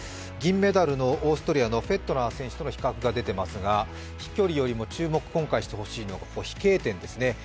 銀メダルのオーストリアのフェットナー選手との比較が出ていますが飛距離よりも注目してほしいのが飛型点です。